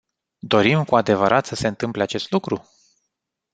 Dorim cu adevărat să se întâmple acest lucru?